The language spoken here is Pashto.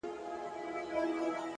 • صدقه دي تر تقوا او تر سخا سم؛